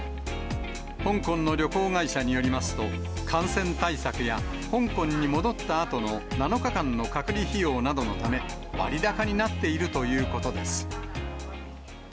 香港の旅行会社によりますと、感染対策や香港に戻ったあとの７日間の隔離費用などのため、割高になっているということです。